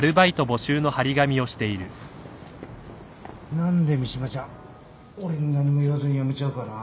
何で三島ちゃん俺に何も言わずに辞めちゃうかな。